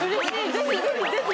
ぜひぜひぜひ！